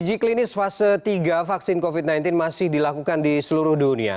uji klinis fase tiga vaksin covid sembilan belas masih dilakukan di seluruh dunia